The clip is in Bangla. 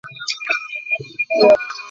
মুসলমানগণ কান্নায় ভেঙ্গে পড়লেন।